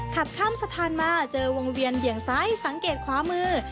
ขับข้ามสะพานมาเจอวงเวียนเบี่ยงซ้ายสังเกตขวามือ